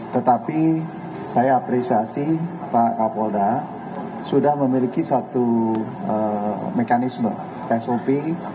tetapi saya apresiasi pak kapolda sudah memiliki satu mekanisme sop